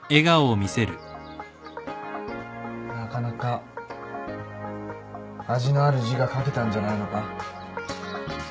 なかなか味のある字が書けたんじゃないのか？